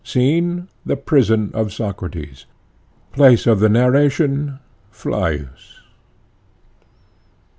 SCENE: The Prison of Socrates. PLACE OF THE NARRATION: Phlius.